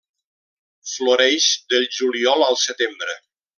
Floreix del juliol al setembre.